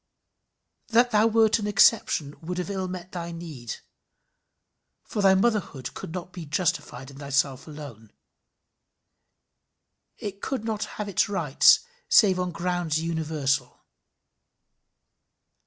That thou wert an exception would have ill met thy need, for thy motherhood could not be justified in thyself alone. It could not have its rights save on grounds universal.